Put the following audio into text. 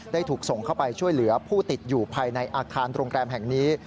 ถูกส่งเข้าไปช่วยเหลือผู้ติดอยู่ภายในอาคารโรงแรมแห่งนี้